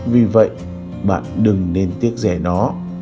vì vậy bạn đừng nên tiếc rẻ nó